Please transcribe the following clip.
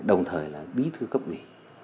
đồng thời là bí thư cấp ủy